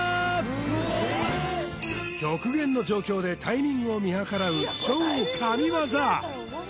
極限の状況でタイミングを見計らう超神業！